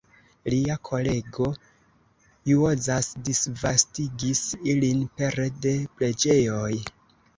Lia kolego Juozas disvastigis ilin pere de preĝejoj.